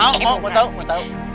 mau mau mau tau mau tau